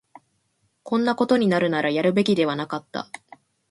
こんなことになるなら、やるべきではなかった